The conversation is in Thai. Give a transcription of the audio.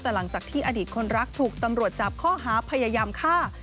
แต่หลังจากที่อดีตคนรักถูกตำรวจจับข้อหาพยายามฆ่า